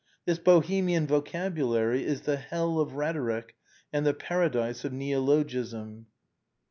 This Bohemian vocabulary is the hell of rhetoric and the paradise of neologism.